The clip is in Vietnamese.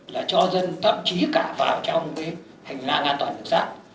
là cho dân thậm chí cả vào trong cái hành lang an toàn đường sắt